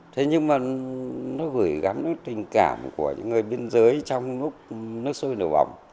thế nhưng mà nó gửi gắm tình cảm của những người biên giới trong nước sôi nửa vòng